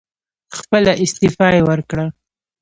خپله استعفی یې ورکړه.